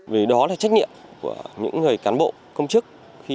vì đó là trách nhiệm của những người cán bộ công chức